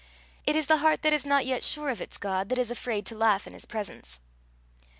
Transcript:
It is the heart that is not yet sure of its God, that is afraid to laugh in his presence.